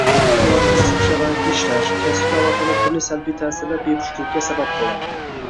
Doimiy issiq sharoitda ishlash, kasbga aloqador turli salbiy ta’sirlar bepushtlikka sabab bo‘ladi.